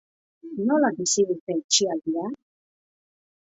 Nola bizi dute itxialdia?